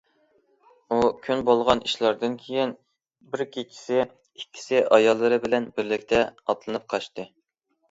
ئۇ كۈن بولغان ئىشلاردىن كېيىن بىر كېچىسى ئىككىسى ئاياللىرى بىلەن بىرلىكتە ئاتلىنىپ قاچتى.